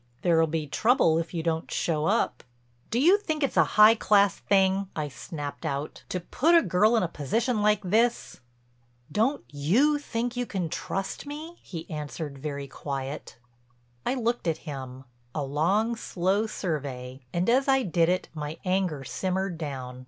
"There'll be trouble if you don't show up." "Do you think it's a high class thing," I snapped out, "to put a girl in a position like this?" "Don't you think you can trust me?" he answered very quiet. I looked at him, a long, slow survey, and as I did it my anger simmered down.